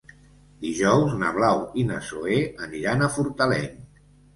Dijous na Blau i na Zoè aniran a Fortaleny.